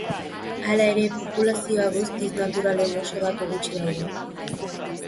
Hala ere, populazio guztiz naturalen oso datu gutxi daude.